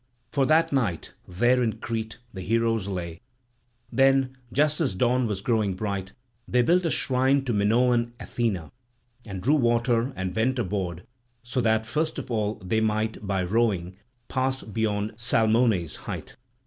For that night there in Crete the heroes lay; then, just as dawn was growing bright, they built a shrine to Minoan Athena, and drew water and went aboard, so that first of all they might by rowing pass beyond Salmone's height.